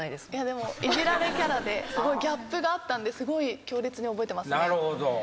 でもいじられキャラですごいギャップがあったんですごい強烈に覚えてますね。